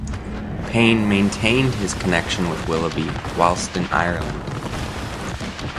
Payne maintained his connection with Willoughby whilst in Ireland.